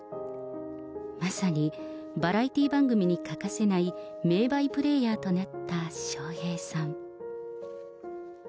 まさにバラエティー番組に欠かせない名バイプレーヤーとなった笑瓶さん。